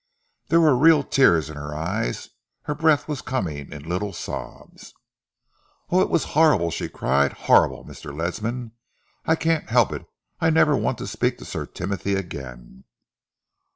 There were real tears in her eyes, her breath was coming in little sobs. "Oh, it was horrible!" she cried. "Horrible! Mr. Ledsam I can't help it I never want to speak to Sir Timothy again!"